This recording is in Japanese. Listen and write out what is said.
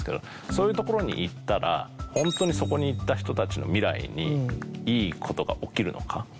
そういうところに行ったらホントにそこに行った人たちの未来にいいことが起きるのか？